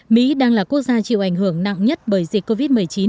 mỹ đang là quốc gia chịu ảnh hưởng nặng nhất bởi dịch covid một mươi chín